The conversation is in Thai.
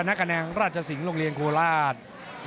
นี้สังรวดครับ